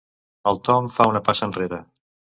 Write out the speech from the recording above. El Tom fa una passa enrere.